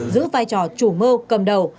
giữ vai trò chủ mơ cầm đầu